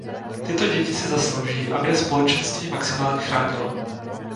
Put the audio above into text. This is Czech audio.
Tyto děti si zaslouží, aby je Společenství maximálně chránilo.